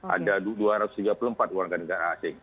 ada dua ratus tiga puluh empat warga negara asing